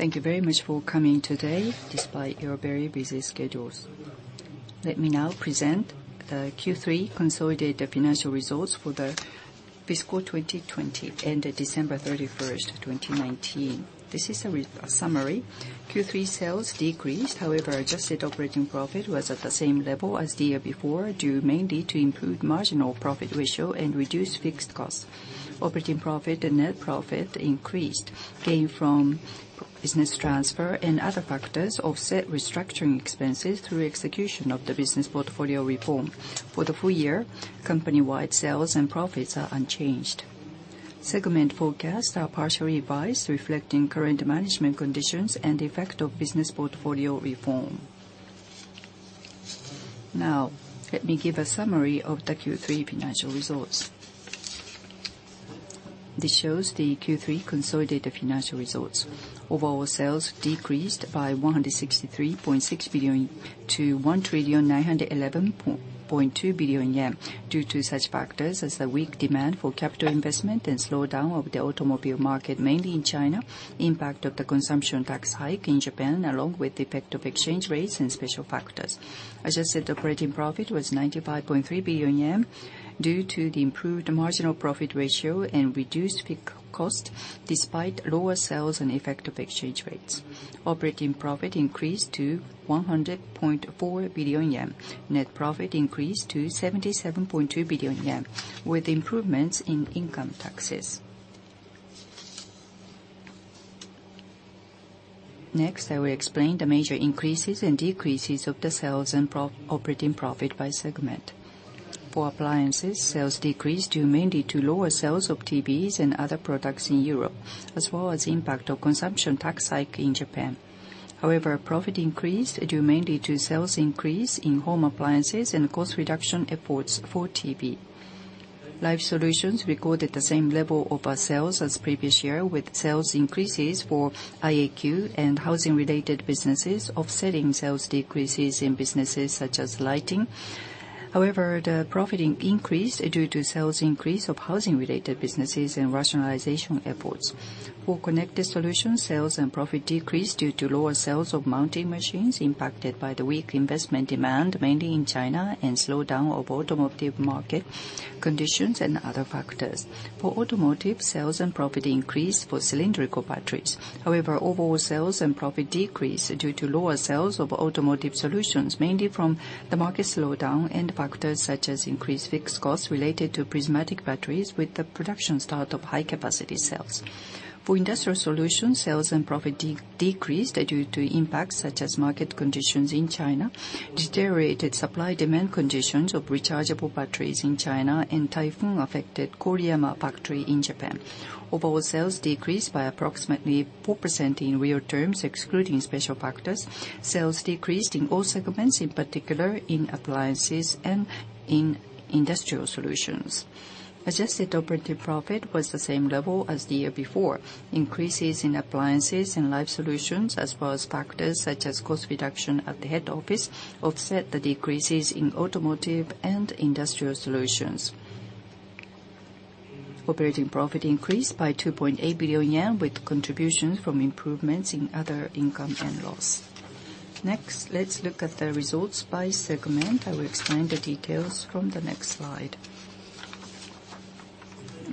Thank you very much for coming today, despite your very busy schedules. Let me now present the Q3 consolidated financial results for the fiscal 2020 ended December 31, 2019. This is a summary. Q3 sales decreased, however, adjusted operating profit was at the same level as the year before, due mainly to improved marginal profit ratio and reduced fixed costs. Operating profit and net profit increased, gained from business transfer and other factors offset restructuring expenses through execution of the business portfolio reform. For the full year, company-wide sales and profits are unchanged. Segment forecasts are partially biased, reflecting current management conditions and the effect of business portfolio reform. Now, let me give a summary of the Q3 financial results. This shows the Q3 consolidated financial results. Overall sales decreased by 163.6 billion to 1,911.2 billion yen, due to such factors as the weak demand for capital investment and slowdown of the automobile market, mainly in China, impact of the consumption tax hike in Japan, along with the effect of exchange rates and special factors. Adjusted operating profit was 95.3 billion yen, due to the improved marginal profit ratio and reduced fixed costs, despite lower sales and effect of exchange rates. Operating profit increased to 100.4 billion yen. Net profit increased to 77.2 billion yen, with improvements in income taxes. Next, I will explain the major increases and decreases of the sales and operating profit by segment. For appliances, sales decreased due mainly to lower sales of TVs and other products in Europe, as well as the impact of consumption tax hike in Japan. However, profit increased due mainly to sales increase in home appliances and cost reduction efforts for TV. Life Solutions recorded the same level of sales as previous year, with sales increases for IAQ and housing-related businesses offsetting sales decreases in businesses such as lighting. However, the profit increased due to sales increase of housing-related businesses and rationalization efforts. For Connected Solutions, sales and profit decreased due to lower sales of mounting machines, impacted by the weak investment demand, mainly in China, and slowdown of automotive market conditions and other factors. For automotive, sales and profit increased for cylindrical batteries. However, overall sales and profit decreased due to lower sales of automotive solutions, mainly from the market slowdown and factors such as increased fixed costs related to prismatic batteries with the production start of high-capacity cells. For Industrial Solutions, sales and profit decreased due to impacts such as market conditions in China, deteriorated supply-demand conditions of rechargeable batteries in China, and typhoon-affected Korea factory in Japan. Overall sales decreased by approximately 4% in real terms, excluding special factors. Sales decreased in all segments, in particular in appliances and in Industrial Solutions. Adjusted operating profit was the same level as the year before. Increases in appliances and Life Solutions, as well as factors such as cost reduction at the head office, offset the decreases in automotive and Industrial Solutions. Operating profit increased by 2.8 billion yen, with contributions from improvements in other income and loss. Next, let's look at the results by segment. I will explain the details from the next slide.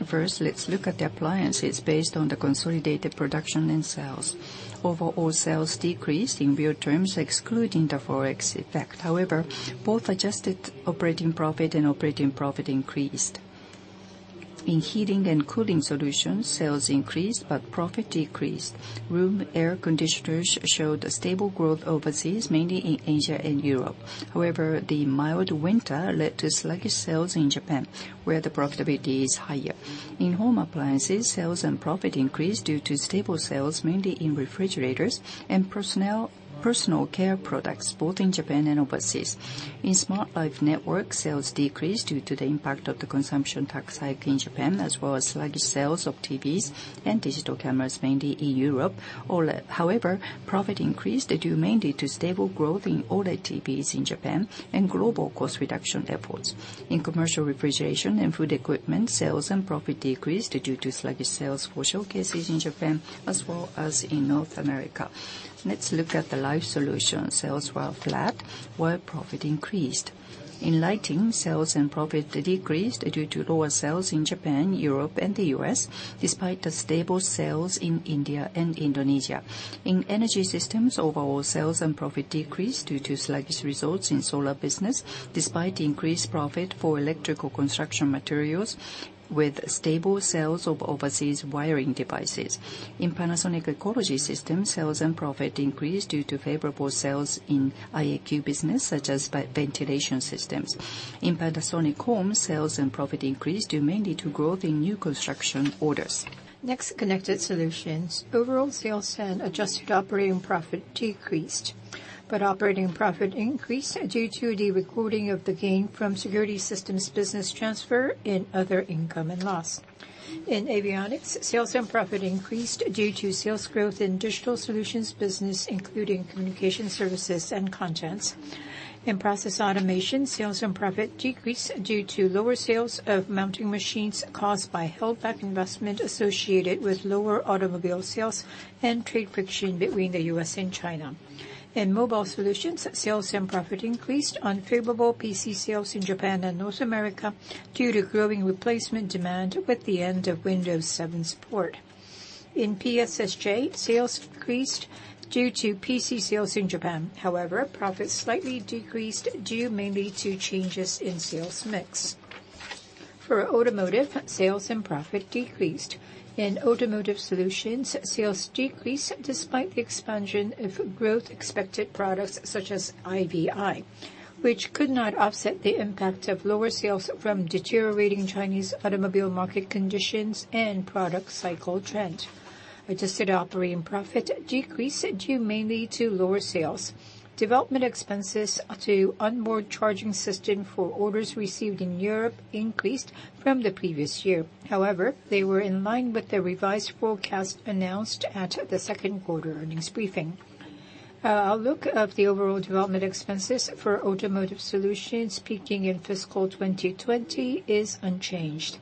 First, let's look at the appliances based on the consolidated production and sales. Overall sales decreased in real terms, excluding the forex effect. However, both adjusted operating profit and operating profit increased. In heating and cooling solutions, sales increased but profit decreased. Room air conditioners showed a stable growth overseas, mainly in Asia and Europe. However, the mild winter led to sluggish sales in Japan, where the profitability is higher. In home appliances, sales and profit increased due to stable sales, mainly in refrigerators and personal care products, both in Japan and overseas. In smart life network, sales decreased due to the impact of the consumption tax hike in Japan, as well as sluggish sales of TVs and digital cameras, mainly in Europe. However, profit increased due mainly to stable growth in older TVs in Japan and global cost reduction efforts. In commercial refrigeration and food equipment, sales and profit decreased due to sluggish sales for showcases in Japan, as well as in North America. Let's look at the life solutions. Sales were flat, while profit increased. In lighting, sales and profit decreased due to lower sales in Japan, Europe, and the U.S., despite the stable sales in India and Indonesia. In energy systems, overall sales and profit decreased due to sluggish results in solar business, despite increased profit for electrical construction materials, with stable sales of overseas wiring devices. In Panasonic Ecology Systems, sales and profit increased due to favorable sales in IAQ business, such as ventilation systems. In Panasonic Homes, sales and profit increased due mainly to growth in new construction orders. Next, Connected Solutions. Overall sales and adjusted operating profit decreased, but operating profit increased due to the recording of the gain from security systems business transfer and other income and loss. In avionics, sales and profit increased due to sales growth in digital solutions business, including communication services and contents. In process automation, sales and profit decreased due to lower sales of mounting machines caused by holdback investment associated with lower automobile sales and trade friction between the U.S. and China. In mobile solutions, sales and profit increased on favorable PC sales in Japan and North America due to growing replacement demand with the end of Windows 7 support. In PSSJ, sales decreased due to PC sales in Japan. However, profit slightly decreased due mainly to changes in sales mix. For automotive, sales and profit decreased. In automotive solutions, sales decreased despite the expansion of growth-expected products such as IVI, which could not offset the impact of lower sales from deteriorating Chinese automobile market conditions and product cycle trend. Adjusted operating profit decreased due mainly to lower sales. Development expenses to onboard charging system for orders received in Europe increased from the previous year. However, they were in line with the revised forecast announced at the second quarter earnings briefing. A look at the overall development expenses for automotive solutions peaking in fiscal 2020 is unchanged.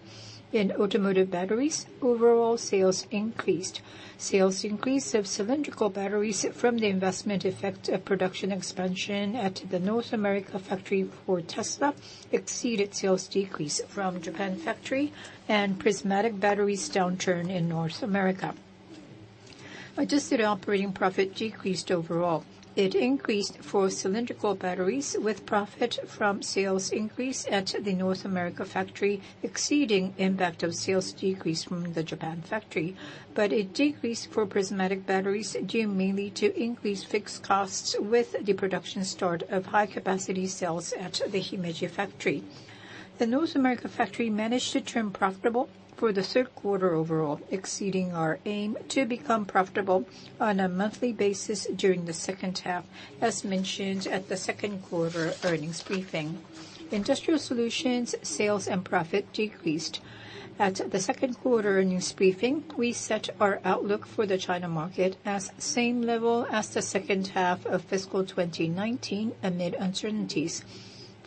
In automotive batteries, overall sales increased. Sales increased of cylindrical batteries from the investment effect of production expansion at the North America factory for Tesla exceeded sales decrease from Japan factory and prismatic batteries downturn in North America. Adjusted operating profit decreased overall. It increased for cylindrical batteries with profit from sales increase at the North America factory exceeding impact of sales decrease from the Japan factory, but it decreased for prismatic batteries due mainly to increased fixed costs with the production start of high-capacity cells at the Himeji factory. The North America factory managed to turn profitable for the third quarter overall, exceeding our aim to become profitable on a monthly basis during the second half, as mentioned at the second quarter earnings briefing. Industrial Solutions sales and profit decreased. At the second quarter earnings briefing, we set our outlook for the China market as same level as the second half of fiscal 2019 amid uncertainties.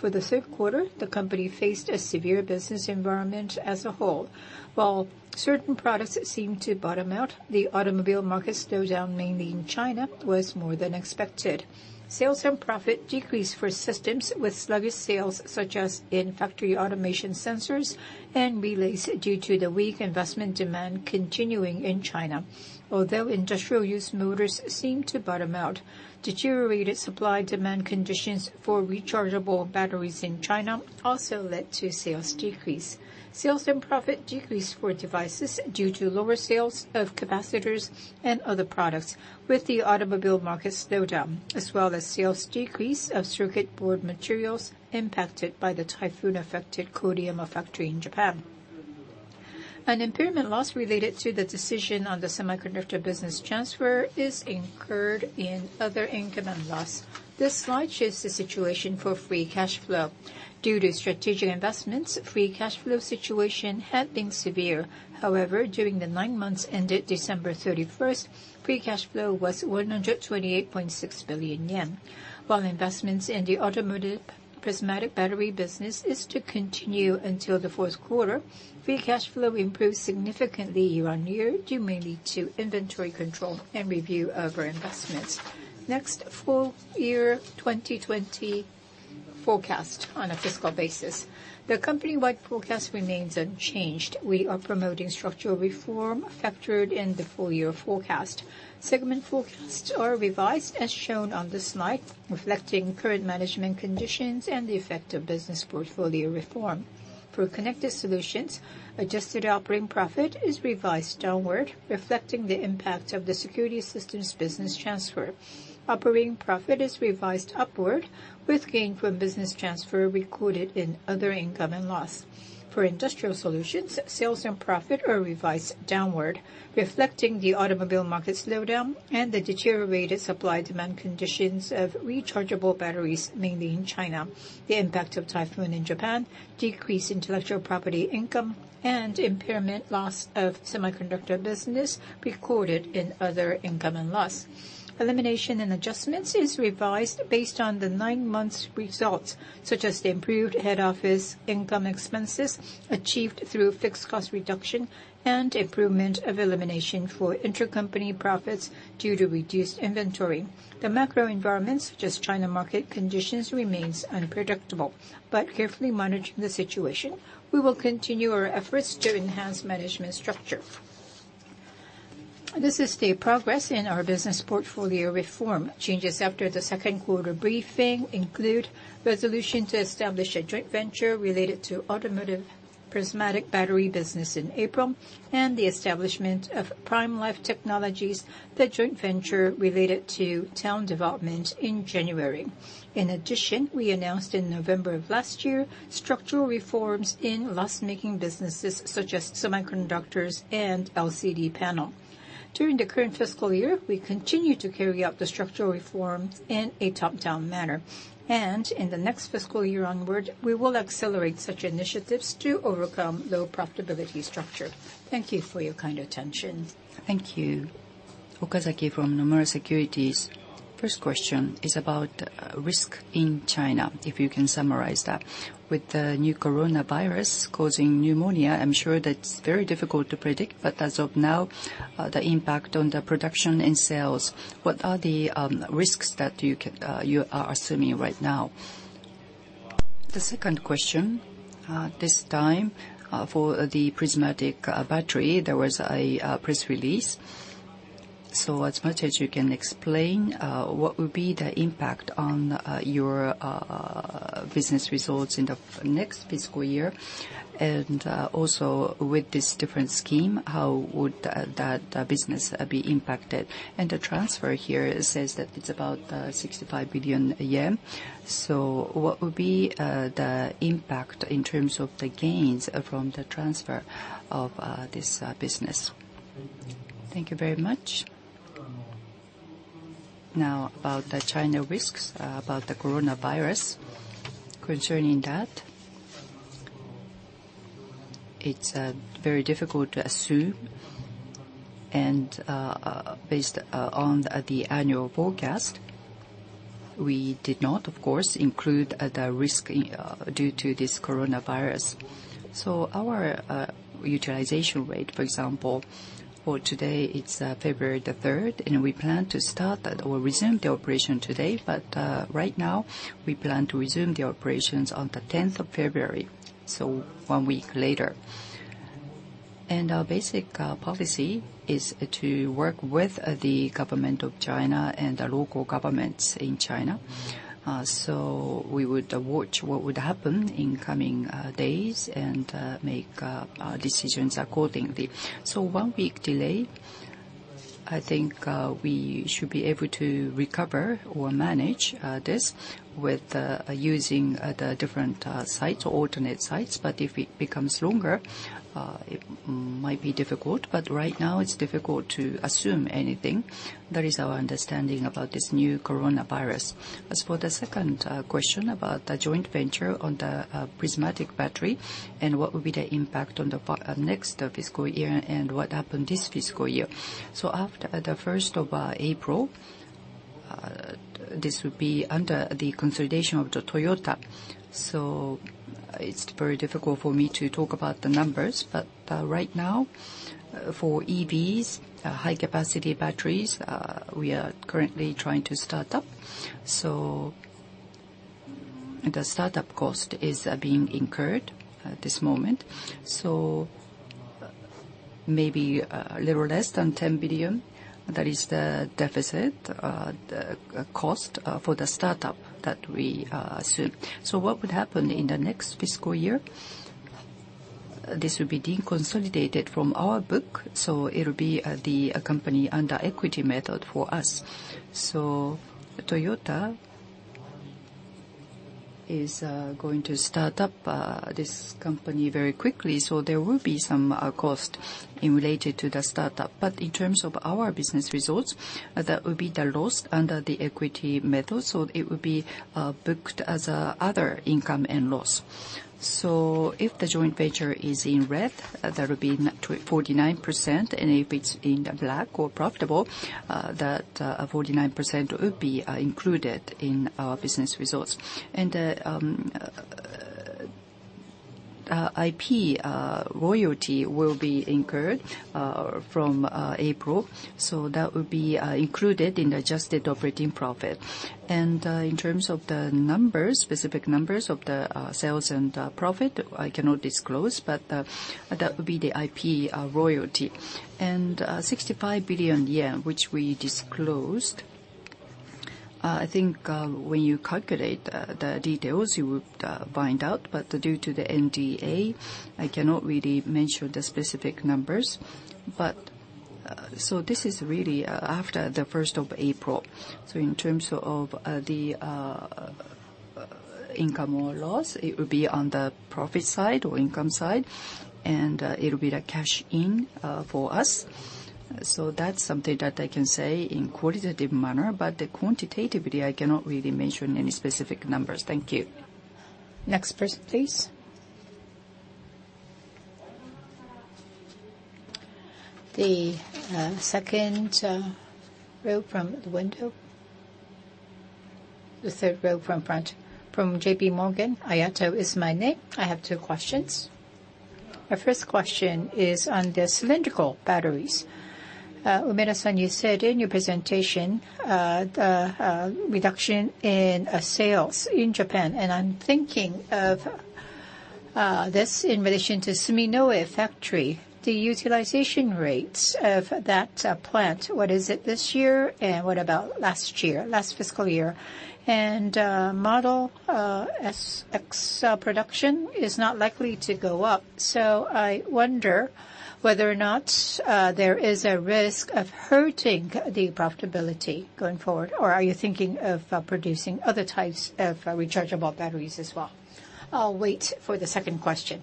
For the third quarter, the company faced a severe business environment as a whole. While certain products seemed to bottom out, the automobile market slowdown mainly in China was more than expected. Sales and profit decreased for systems with sluggish sales such as in factory automation sensors and relays due to the weak investment demand continuing in China. Although industrial-use motors seemed to bottom out, deteriorated supply-demand conditions for rechargeable batteries in China also led to sales decrease. Sales and profit decreased for devices due to lower sales of capacitors and other products, with the automobile market slowdown, as well as sales decrease of circuit board materials impacted by the typhoon-affected Korea factory in Japan. An impairment loss related to the decision on the semiconductor business transfer is incurred in other income and loss. This slide shows the situation for free cash flow. Due to strategic investments, free cash flow situation had been severe. However, during the nine months ended December 31, free cash flow was 128.6 billion yen. While investments in the automotive prismatic battery business is to continue until the fourth quarter, free cash flow improved significantly year on year due mainly to inventory control and review of our investments. Next, full year 2020 forecast on a fiscal basis. The company-wide forecast remains unchanged. We are promoting structural reform factored in the full year forecast. Segment forecasts are revised as shown on this slide, reflecting current management conditions and the effect of business portfolio reform. For Connected Solutions, adjusted operating profit is revised downward, reflecting the impact of the security systems business transfer. Operating profit is revised upward, with gain from business transfer recorded in other income and loss. For Industrial Solutions, sales and profit are revised downward, reflecting the automobile market slowdown and the deteriorated supply-demand conditions of rechargeable batteries, mainly in China. The impact of typhoon in Japan, decreased intellectual property income, and impairment loss of semiconductor business recorded in other income and loss. Elimination and adjustments is revised based on the nine months' results, such as the improved head office income expenses achieved through fixed cost reduction and improvement of elimination for intercompany profits due to reduced inventory. The macro environment, such as China market conditions, remains unpredictable, but carefully monitoring the situation, we will continue our efforts to enhance management structure. This is the progress in our business portfolio reform. Changes after the second quarter briefing include resolution to establish a joint venture related to automotive prismatic battery business in April and the establishment of Prime Life Technologies as the joint venture related to town development in January. In addition, we announced in November of last year structural reforms in loss-making businesses such as semiconductors and LCD panel. During the current fiscal year, we continue to carry out the structural reforms in a top-down manner, and in the next fiscal year onward, we will accelerate such initiatives to overcome low profitability structure. Thank you for your kind attention. Thank you, Okazaki from Nomura Securities. First question is about risk in China, if you can summarize that. With the new coronavirus causing pneumonia, I'm sure that it's very difficult to predict, but as of now, the impact on the production and sales, what are the risks that you are assuming right now? The second question, this time for the prismatic battery, there was a press release. As much as you can explain, what would be the impact on your business results in the next fiscal year? Also, with this different scheme, how would that business be impacted? The transfer here says that it's about 65 billion yen. What would be the impact in terms of the gains from the transfer of this business? Thank you very much. Now, about the China risks about the coronavirus, concerning that, it's very difficult to assume. Based on the annual forecast, we did not, of course, include the risk due to this coronavirus. Our utilization rate, for example, for today, it's February the 3rd, and we plan to start or resume the operation today, but right now, we plan to resume the operations on the 10th of February, so one week later. Our basic policy is to work with the government of China and the local governments in China. We would watch what would happen in coming days and make decisions accordingly. One week delay, I think we should be able to recover or manage this with using the different sites or alternate sites, but if it becomes longer, it might be difficult. Right now, it's difficult to assume anything. That is our understanding about this new coronavirus. As for the second question about the joint venture on the prismatic battery and what would be the impact on the next fiscal year and what happened this fiscal year. After the 1st of April, this would be under the consolidation of Toyota. It is very difficult for me to talk about the numbers, but right now, for EVs, high-capacity batteries, we are currently trying to start up. The startup cost is being incurred at this moment. Maybe a little less than 10 billion, that is the deficit cost for the startup that we assume. What would happen in the next fiscal year? This would be de-consolidated from our book, so it would be the company under equity method for us. Toyota is going to start up this company very quickly, so there will be some cost related to the startup. In terms of our business results, that would be the loss under the equity method, so it would be booked as other income and loss. If the joint venture is in red, that would be 49%, and if it is in black or profitable, that 49% would be included in our business results. The IP royalty will be incurred from April, so that would be included in the adjusted operating profit. In terms of the numbers, specific numbers of the sales and profit, I cannot disclose, but that would be the IP royalty. 65 billion yen, which we disclosed, I think when you calculate the details, you would find out, but due to the NDA, I cannot really mention the specific numbers. This is really after the 1st of April. In terms of the income or loss, it would be on the profit side or income side, and it would be the cash in for us. That is something that I can say in a qualitative manner, but quantitatively, I cannot really mention any specific numbers. Thank you. Next person, please. The second row from the window. The third row from front. From JP Morgan, Ayako is my name. I have two questions. My first question is on the cylindrical batteries. Umeda, you said in your presentation the reduction in sales in Japan, and I am thinking of this in relation to Suminoe factory. The utilization rates of that plant, what is it this year and what about last year, last fiscal year? Model SX production is not likely to go up, so I wonder whether or not there is a risk of hurting the profitability going forward, or are you thinking of producing other types of rechargeable batteries as well? I will wait for the second question.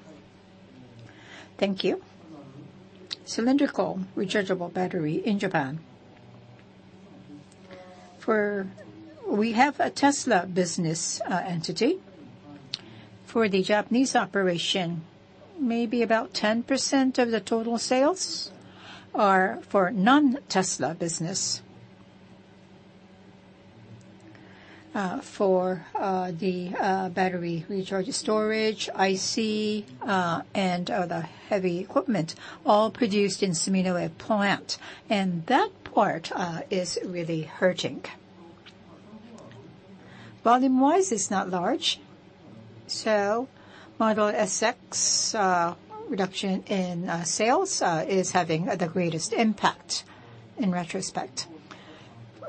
Thank you. Cylindrical rechargeable battery in Japan. We have a Tesla business entity. For the Japanese operation, maybe about 10% of the total sales are for non-Tesla business. For the battery recharge storage, IC, and the heavy equipment, all produced in Suminoe plant, and that part is really hurting. Volume-wise, it's not large, so Model SX reduction in sales is having the greatest impact in retrospect.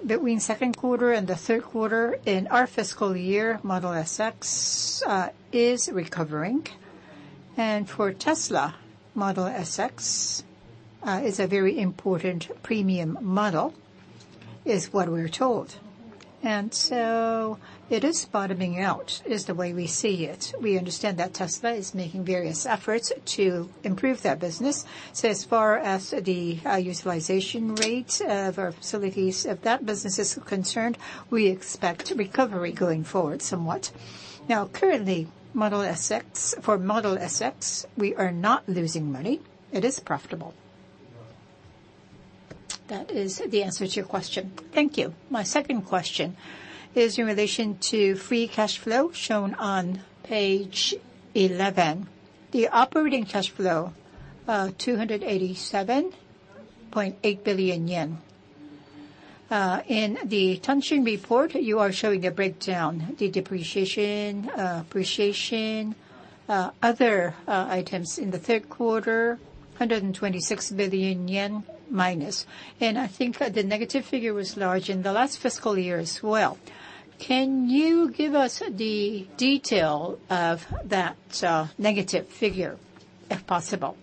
Between second quarter and the third quarter in our fiscal year, Model SX is recovering, and for Tesla, Model SX is a very important premium model, is what we're told. It is bottoming out, is the way we see it. We understand that Tesla is making various efforts to improve their business, so as far as the utilization rates of our facilities of that business is concerned, we expect recovery going forward somewhat. Now, currently, Model SX, for Model SX, we are not losing money. It is profitable. That is the answer to your question. Thank you. My second question is in relation to free cash flow shown on page 11. The operating cash flow, 287.8 billion yen. In the Tanshin report, you are showing the breakdown, the depreciation, appreciation, other items in the third quarter, 126 billion yen minus. I think the negative figure was large in the last fiscal year as well. Can you give us the detail of that negative figure, if possible?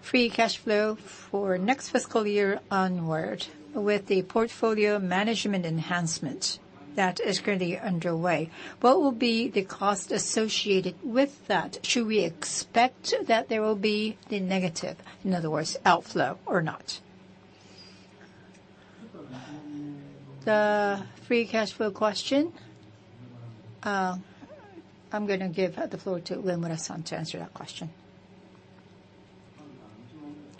Free cash flow for next fiscal year onward with the portfolio management enhancement that is currently underway, what will be the cost associated with that? Should we expect that there will be the negative, in other words, outflow, or not? The free cash flow question, I'm going to give the floor to Uemura to answer that question.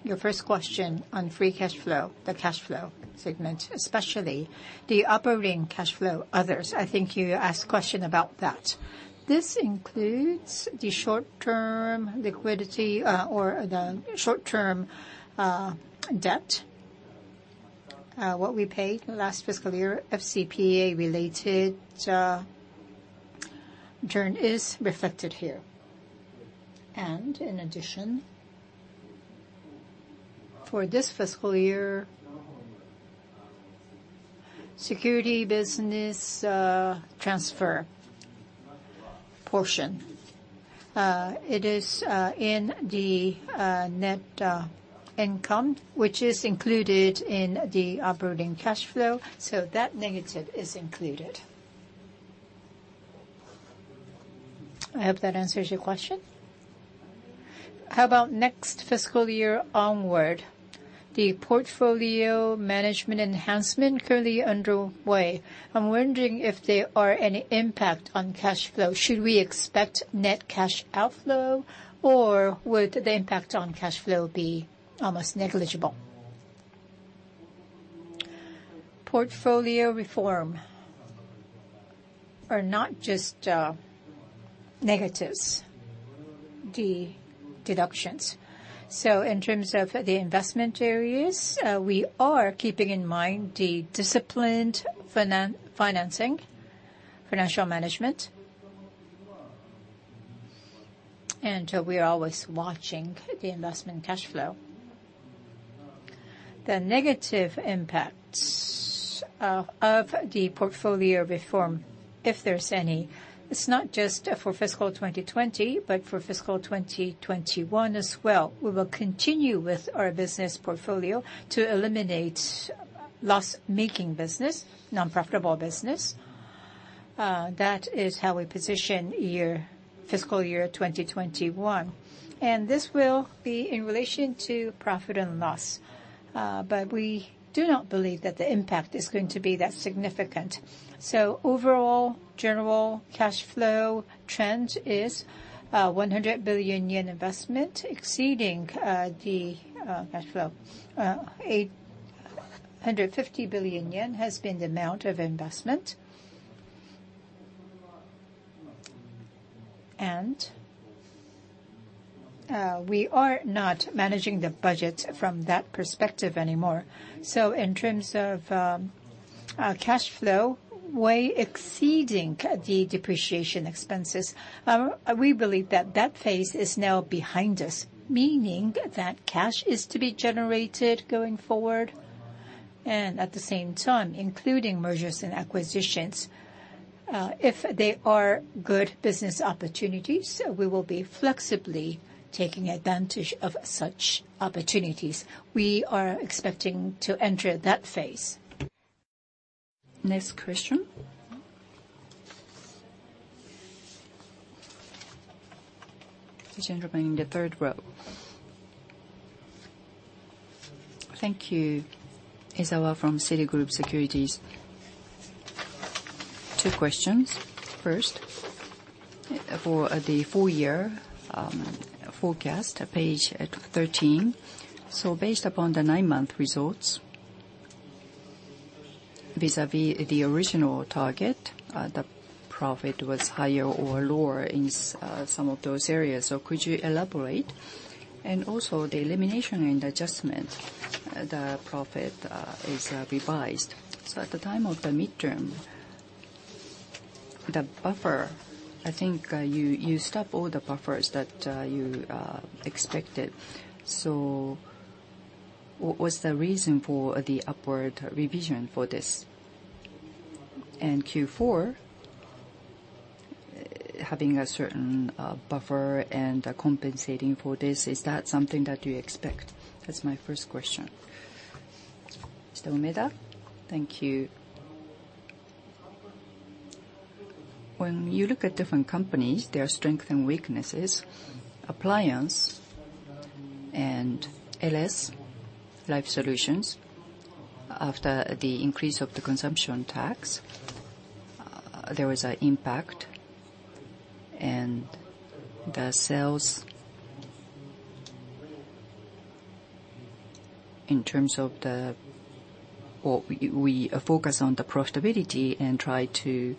Your first question on free cash flow, the cash flow segment, especially the operating cash flow, others. I think you asked a question about that. This includes the short-term liquidity or the short-term debt, what we paid last fiscal year, FCPA-related return is reflected here. In addition, for this fiscal year, security business transfer portion, it is in the net income, which is included in the operating cash flow, so that negative is included. I hope that answers your question. How about next fiscal year onward, the portfolio management enhancement currently underway? I'm wondering if there are any impacts on cash flow. Should we expect net cash outflow, or would the impact on cash flow be almost negligible? Portfolio reform are not just negatives, the deductions. In terms of the investment areas, we are keeping in mind the disciplined financing, financial management, and we are always watching the investment cash flow. The negative impacts of the portfolio reform, if there is any, it is not just for fiscal 2020, but for fiscal 2021 as well. We will continue with our business portfolio to eliminate loss-making business, non-profitable business. That is how we position fiscal year 2021. This will be in relation to profit and loss, but we do not believe that the impact is going to be that significant. Overall, general cash flow trend is 100 billion yen investment exceeding the cash flow. 850 billion yen has been the amount of investment. We are not managing the budget from that perspective anymore. In terms of cash flow, way exceeding the depreciation expenses, we believe that that phase is now behind us, meaning that cash is to be generated going forward. At the same time, including mergers and acquisitions, if they are good business opportunities, we will be flexibly taking advantage of such opportunities. We are expecting to enter that phase. Next question. Attention remaining in the third row. Thank you, Ezawa from Citigroup Securities. Two questions. First, for the full-year forecast, page 13. Based upon the nine-month results vis-à-vis the original target, the profit was higher or lower in some of those areas. Could you elaborate? Also, the elimination and adjustment, the profit is revised. At the time of the midterm, the buffer, I think you stopped all the buffers that you expected. What was the reason for the upward revision for this? Q4, having a certain buffer and compensating for this, is that something that you expect? That's my first question. Mr. Umeda, thank you. When you look at different companies, their strengths and weaknesses, appliance and LS Life Solutions, after the increase of the consumption tax, there was an impact in terms of the or we focus on the profitability and try to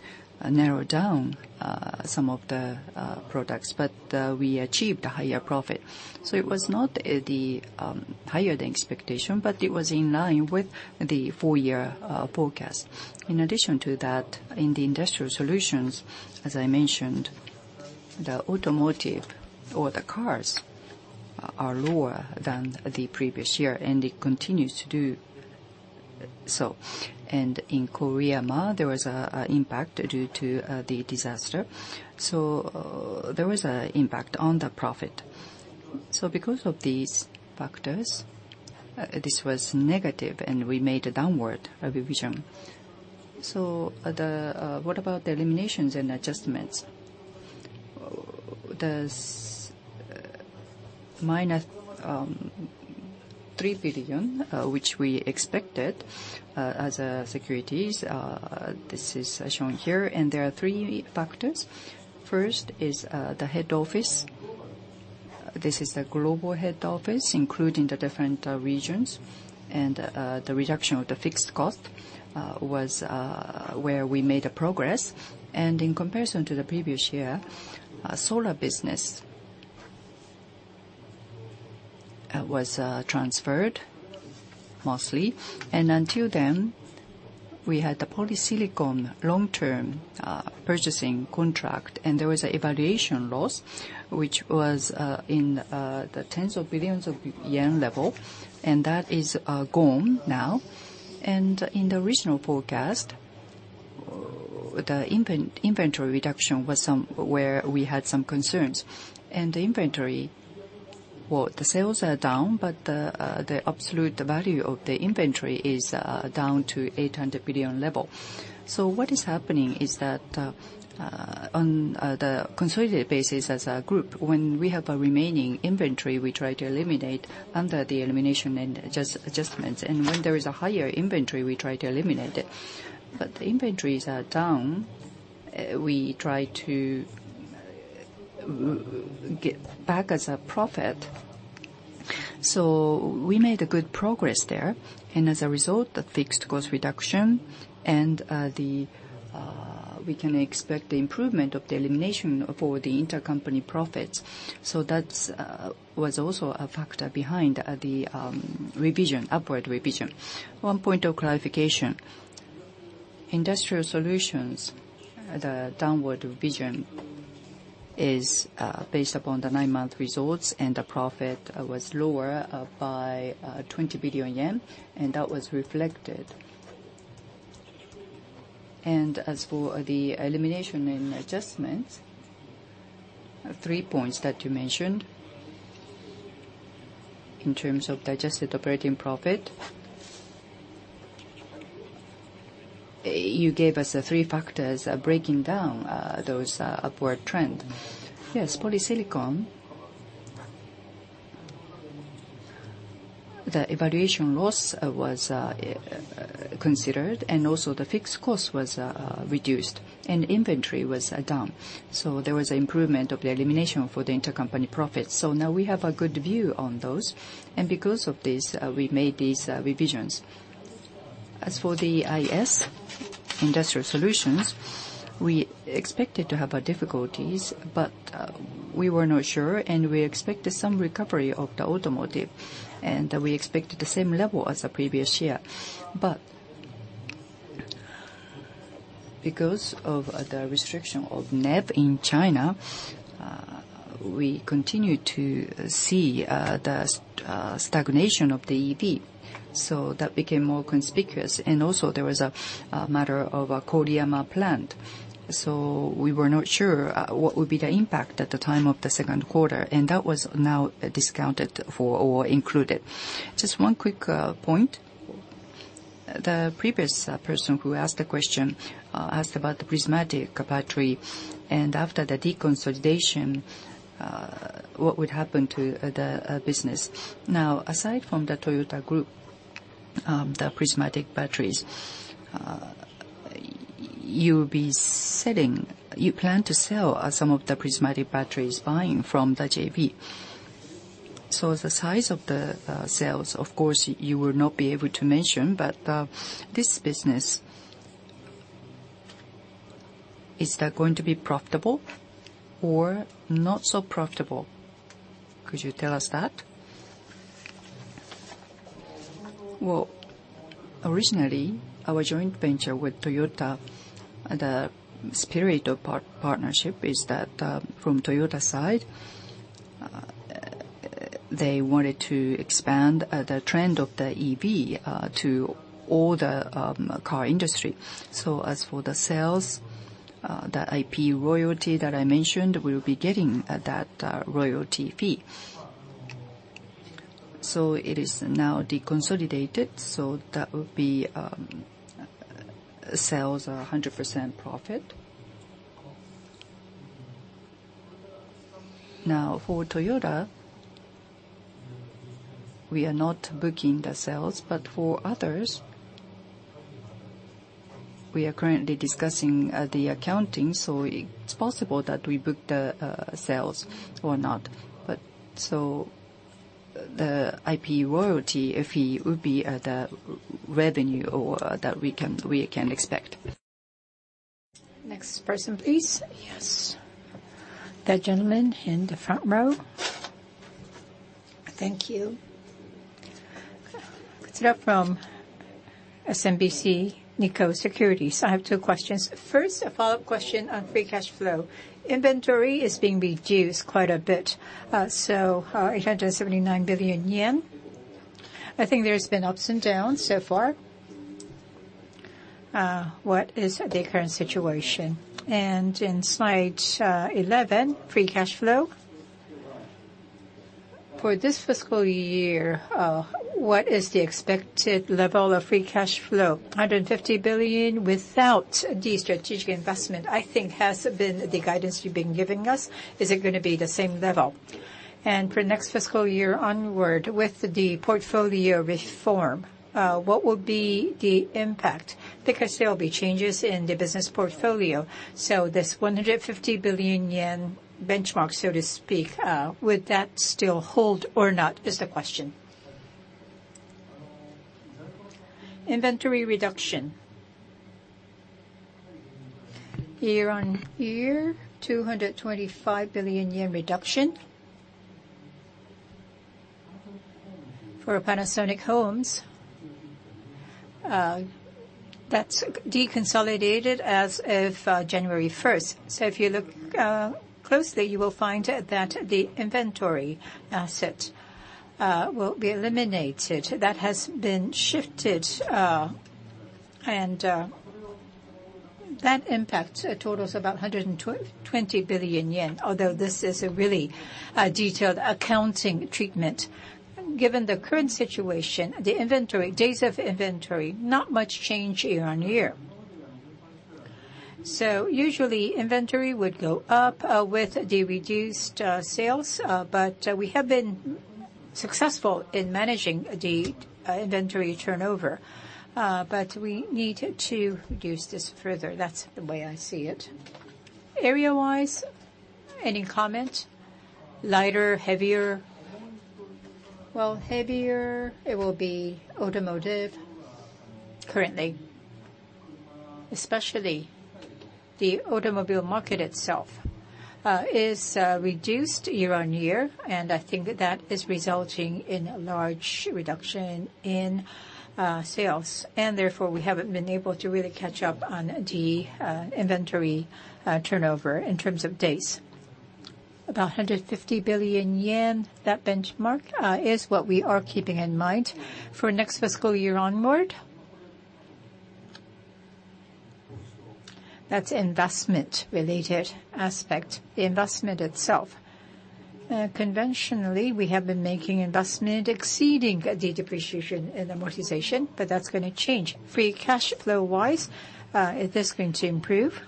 narrow down some of the products, but we achieved a higher profit. It was not higher than expectation, but it was in line with the four-year forecast. In addition to that, in the industrial solutions, as I mentioned, the automotive or the cars are lower than the previous year, and it continues to do so. In Korea, there was an impact due to the disaster. There was an impact on the profit. Because of these factors, this was negative, and we made a downward revision. What about the eliminations and adjustments? There is minus 3 billion, which we expected as securities. This is shown here, and there are three factors. First is the head office. This is the global head office, including the different regions, and the reduction of the fixed cost was where we made progress. In comparison to the previous year, solar business was transferred mostly. Until then, we had the polysilicon long-term purchasing contract, and there was an evaluation loss, which was in the tens of billions of yen level, and that is gone now. In the original forecast, the inventory reduction was where we had some concerns. The inventory, the sales are down, but the absolute value of the inventory is down to the 800 billion level. What is happening is that on the consolidated basis as a group, when we have a remaining inventory, we try to eliminate under the elimination and adjustments. When there is a higher inventory, we try to eliminate it. If the inventories are down, we try to get back as a profit. We made good progress there, and as a result, the fixed cost reduction and we can expect the improvement of the elimination for the intercompany profits. That was also a factor behind the upward revision. One point of clarification. Industrial solutions, the downward revision is based upon the nine-month results, and the profit was lower by 20 billion yen, and that was reflected. As for the elimination and adjustments, three points that you mentioned in terms of adjusted operating profit, you gave us three factors breaking down those upward trends. Yes, polysilicon. The evaluation loss was considered, and also the fixed cost was reduced, and inventory was down. There was an improvement of the elimination for the intercompany profits. Now we have a good view on those, and because of this, we made these revisions. As for the IS, industrial solutions, we expected to have difficulties, but we were not sure, and we expected some recovery of the automotive, and we expected the same level as the previous year. Because of the restriction of NEV in China, we continued to see the stagnation of the EV. That became more conspicuous, and also there was a matter of a Korean plant. We were not sure what would be the impact at the time of the second quarter, and that was now discounted or included. Just one quick point. The previous person who asked the question asked about the prismatic battery, and after the deconsolidation, what would happen to the business? Now, aside from the Toyota Group, the prismatic batteries, you plan to sell some of the prismatic batteries buying from the JV. The size of the sales, of course, you will not be able to mention, but this business, is that going to be profitable or not so profitable? Could you tell us that? Originally, our joint venture with Toyota, the spirit of partnership is that from Toyota's side, they wanted to expand the trend of the EV to all the car industry. As for the sales, the IP royalty that I mentioned, we will be getting that royalty fee. It is now deconsolidated, so that would be sales 100% profit. Now, for Toyota, we are not booking the sales, but for others, we are currently discussing the accounting, so it is possible that we book the sales or not. The IP royalty fee would be the revenue that we can expect. Next person, please. Yes. The gentleman in the front row. Thank you. It is from SMBC Nikko Securities. I have two questions. First, a follow-up question on free cash flow. Inventory is being reduced quite a bit, so 879 billion yen. I think there have been ups and downs so far. What is the current situation? In slide 11, free cash flow. For this fiscal year, what is the expected level of free cash flow? 150 billion without the strategic investment, I think, has been the guidance you have been giving us. Is it going to be the same level? For next fiscal year onward, with the portfolio reform, what will be the impact? Because there will be changes in the business portfolio, this 150 billion yen benchmark, so to speak, would that still hold or not is the question. Inventory reduction. Year-on-year, JPY 225 billion reduction for Panasonic Homes. That is deconsolidated as of January 1. If you look closely, you will find that the inventory asset will be eliminated. That has been shifted, and that impacts a total of about 120 billion yen, although this is a really detailed accounting treatment. Given the current situation, the inventory, days of inventory, not much change year-on-year. Usually, inventory would go up with the reduced sales, but we have been successful in managing the inventory turnover, but we need to reduce this further. That is the way I see it. Area-wise, any comment? Lighter, heavier? It will be automotive currently. Especially the automobile market itself is reduced year-on-year, and I think that is resulting in a large reduction in sales. Therefore, we have not been able to really catch up on the inventory turnover in terms of days. About 150 billion yen, that benchmark is what we are keeping in mind for next fiscal year onward. That is investment-related aspect, the investment itself. Conventionally, we have been making investment exceeding the depreciation and amortization, but that is going to change. Free cash flow-wise, it is going to improve.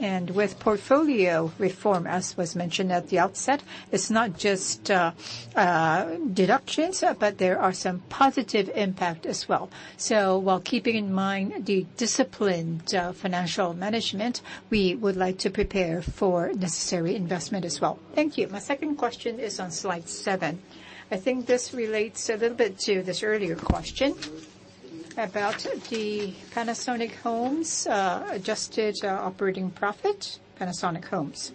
With portfolio reform, as was mentioned at the outset, it is not just deductions, but there are some positive impacts as well. While keeping in mind the disciplined financial management, we would like to prepare for necessary investment as well. Thank you. My second question is on slide seven. I think this relates a little bit to this earlier question about the Panasonic Homes' adjusted operating profit, Panasonic Homes.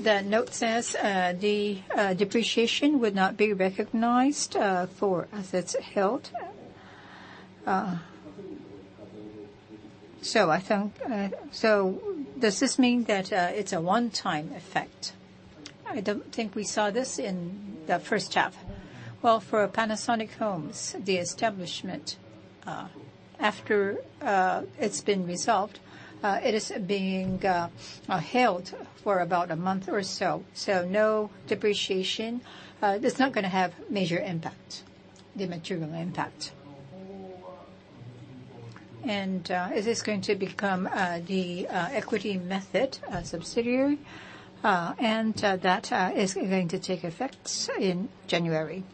The note says the depreciation would not be recognized for assets held. Does this mean that it's a one-time effect? I don't think we saw this in the first half. For Panasonic Homes, the establishment, after it's been resolved, it is being held for about a month or so. No depreciation. It's not going to have major impact, the material impact. It is going to become the equity method subsidiary, and that is going to take effect in January.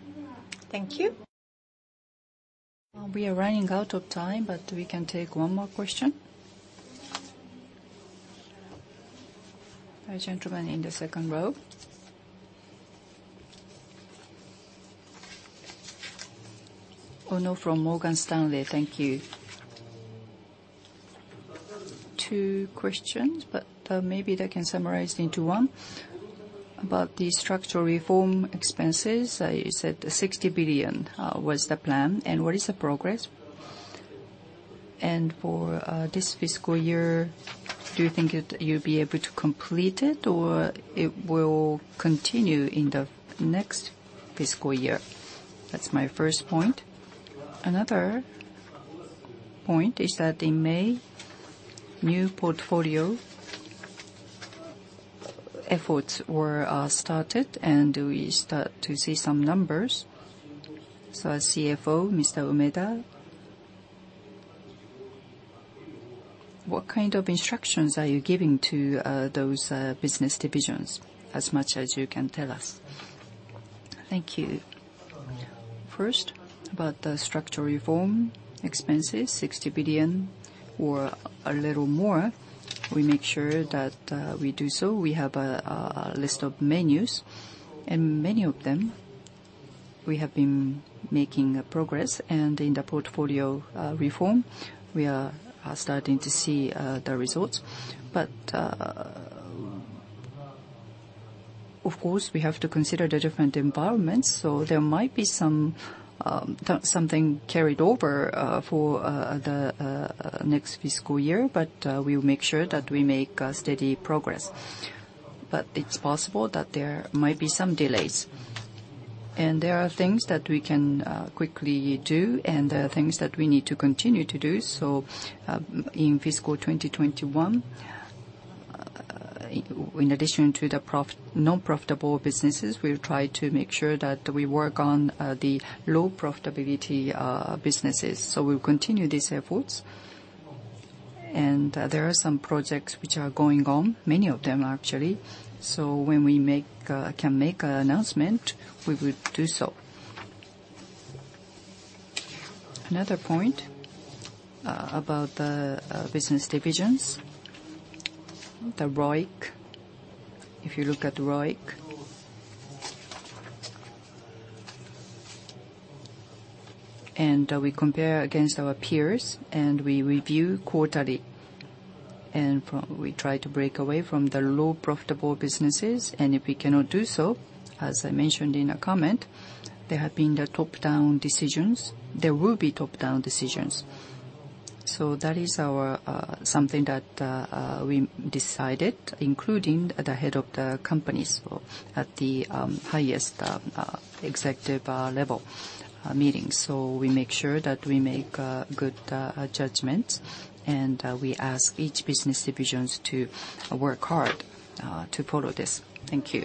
Thank you. We are running out of time, but we can take one more question.A gentleman in the second row. Oh, no, from Morgan Stanley. Thank you. Two questions, but maybe they can summarize into one. About the structural reform expenses, you said 60 billion was the plan. What is the progress? For this fiscal year, do you think you'll be able to complete it, or it will continue in the next fiscal year? That's my first point. Another point is that in May, new portfolio efforts were started, and we start to see some numbers. As CFO, Ms. Umeda, what kind of instructions are you giving to those business divisions as much as you can tell us? Thank you. First, about the structural reform expenses, 60 billion or a little more, we make sure that we do so. We have a list of menus, and many of them, we have been making progress. In the portfolio reform, we are starting to see the results. Of course, we have to consider the different environments, so there might be something carried over for the next fiscal year. We will make sure that we make steady progress. It's possible that there might be some delays. There are things that we can quickly do, and there are things that we need to continue to do. In fiscal 2021, in addition to the non-profitable businesses, we'll try to make sure that we work on the low-profitability businesses. We'll continue these efforts. There are some projects which are going on, many of them, actually. When we can make an announcement, we would do so. Another point about the business divisions, the ROIC, if you look at ROIC. We compare against our peers, and we review quarterly, and we try to break away from the low-profitable businesses. If we cannot do so, as I mentioned in a comment, there have been the top-down decisions. There will be top-down decisions. That is something that we decided, including the head of the companies at the highest executive level meeting. We make sure that we make good judgments, and we ask each business division to work hard to follow this. Thank you.